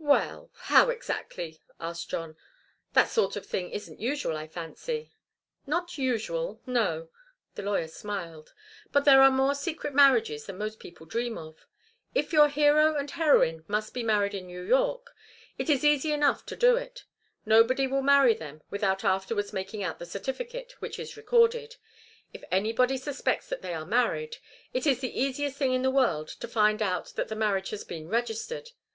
"Well how, exactly?" asked John. "That sort of thing isn't usual, I fancy." "Not usual no." The lawyer smiled. "But there are more secret marriages than most people dream of. If your hero and heroine must be married in New York, it is easy enough to do it. Nobody will marry them without afterwards making out the certificate, which is recorded. If anybody suspects that they are married, it is the easiest thing in the world to find out that the marriage has been registered.